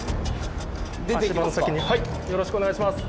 よろしくお願いします。